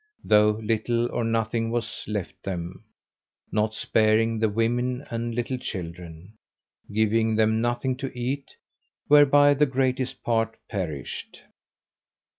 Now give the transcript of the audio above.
though little or nothing was left them, not sparing the women and little children, giving them nothing to eat, whereby the greatest part perished.